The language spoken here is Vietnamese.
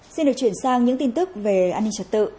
xin được chuyển sang những tin tức về an ninh trật tự